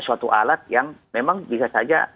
suatu alat yang memang bisa saja